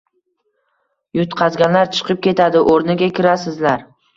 Yutqazganlar chiqib ketadi, o‘rniga kirasizlar